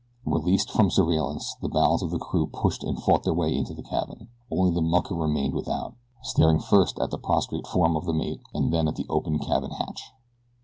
Released from surveillance the balance of the crew pushed and fought their way into the cabin only the mucker remained without, staring first at the prostrate form of the mate and then at the open cabin hatch.